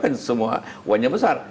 karena semua uangnya besar